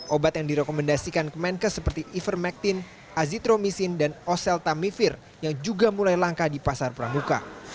obat yang direkomendasikan ke menkes seperti ivermectin azitromisin dan oseltamivir yang juga mulai langka di pasar pramuka